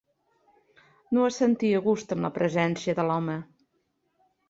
No es sentia a gust amb la presència de l'home.